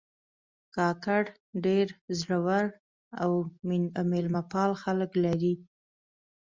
کاکړ ډېر زړور او میلمهپال خلک لري.